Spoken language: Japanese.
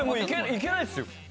いけないっすよ。